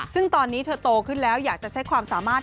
ซึ่งตอนนี้เธอโตขึ้นแล้วอยากจะใช้ความสามารถ